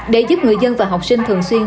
để giúp người dân và học sinh thường xuyên